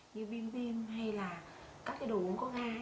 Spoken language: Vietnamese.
như bim bim hay là các đồ uống có ga